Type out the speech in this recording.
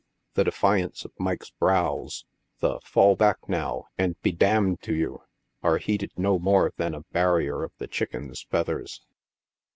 The defiance of Mike's brows — the " fall back, now, and be d — d to you" — are heeded no more than a barrier of the chicken's feathers.